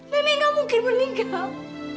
nenek gak mungkin meninggal